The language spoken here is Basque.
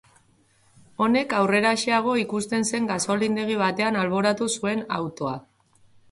Honek aurreraxeago ikusten zen gasolindegi batean alboratu zuen autoa.